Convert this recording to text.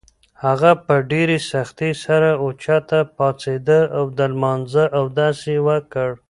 هغه په ډېرې سختۍ سره اوچته پاڅېده او د لمانځه اودس یې وکړ.